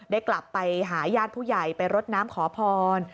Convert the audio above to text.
ได้กลับไปหาญาติผู้ใหญ่ไปรดน้ำขอพร